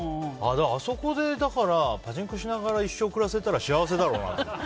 あそこでパチンコしながら一生暮らせたら幸せだろうなって。